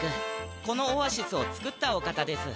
このオアシスをつくったお方です。